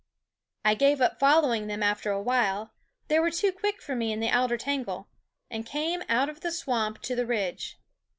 I gave up following them after a while they were too quick for me in the alder tangle and came out of the swamp to the ridge.